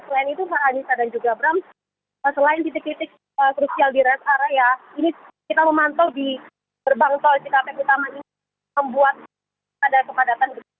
selain itu pak anissa dan juga bram selain titik titik krusial di rest area ini kita memantau di gerbang tol cikampek utama ini membuat ada kepadatan